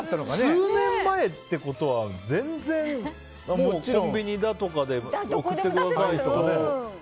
数年前ってことは全然、コンビニとかで送ってくださいとかね。